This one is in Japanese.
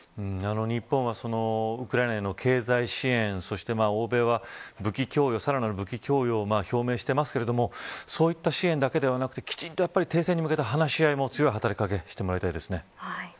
日本はウクライナへの経済支援そして欧米は武器供与を表明していますがそういった支援だけではなくきちんと停戦に向けた話し合いも強い働き掛けをしてもらいたいですね。